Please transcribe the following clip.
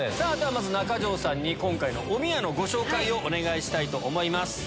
まず中条さんにおみやのご紹介お願いしたいと思います。